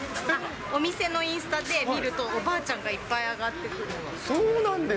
お店のインスタで見ると、おばあちゃんがいっぱい上がってくるんです。